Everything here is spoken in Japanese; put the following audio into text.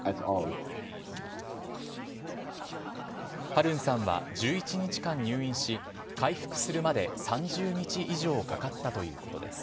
ハルンさんは１１日間入院し、回復するまで３０日以上かかったということです。